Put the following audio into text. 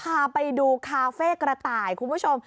พาไปดูคาเฟ่กระต่ายคุณผู้ชม